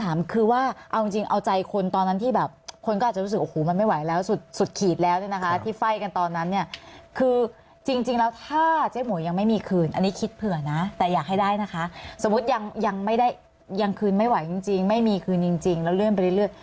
แต่อยากให้ได้นะคะสมมุติยังคืนไม่ไหวจริงไม่มีคืนจริงและเลื่อนไปเรื่อย